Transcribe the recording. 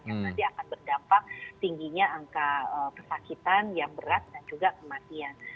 yang nanti akan berdampak tingginya angka kesakitan yang berat dan juga kematian